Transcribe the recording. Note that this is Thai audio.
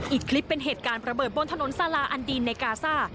อีกคลิปเป็นเหตุการณ์ระเบิดบนถนนซาลาอันดีนในกาซ่า